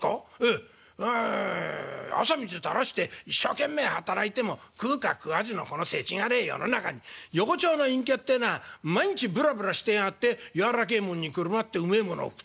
え汗水たらして一生懸命働いても食うか食わずのこのせちがれえ世の中に横町の隠居ってえのは毎日ぶらぶらしてやがって柔らけえもんにくるまってうめえものを食ってる。